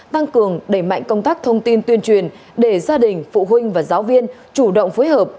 tăng cường đẩy mạnh công tác thông tin tuyên truyền để gia đình phụ huynh và giáo viên chủ động phối hợp